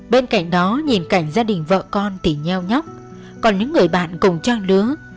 bên cạnh đó nhìn cảnh gia đình vợ con thì nheo nhóc còn những người bạn cùng trang lứa